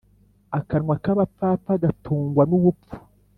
akanwa k’abapfapfa gatungwa n’ubupfu